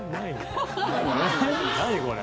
何これ？